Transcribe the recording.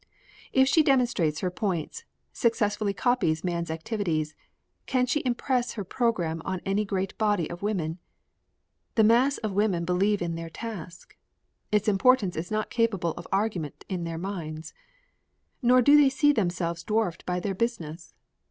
If she demonstrates her points, successfully copies man's activities, can she impress her program on any great body of women? The mass of women believe in their task. Its importance is not capable of argument in their minds. Nor do they see themselves dwarfed by their business.